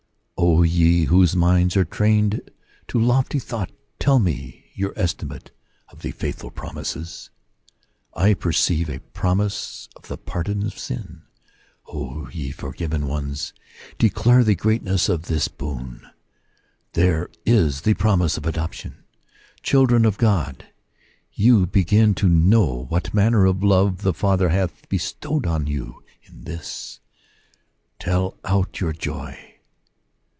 O ye whose minds are trained to lofty thought, tell me your estimate of the faithful promises ! I perceive a promise of the pardon" of sin. O ye for given ones, declare the greatness of this boon ! There is the promise of adoption. Children of God, you begin to know what manner of love the Father hath bestowed on you in this; tell out your joy